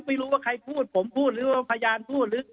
ไม่รู้ว่าใครพูดผมพูดหรือว่าพยานพูดหรือ